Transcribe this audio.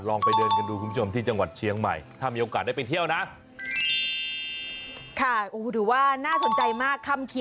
ไปเดินกันดูคุณผู้ชมที่จังหวัดเชียงใหม่ถ้ามีโอกาสได้ไปเที่ยวนะ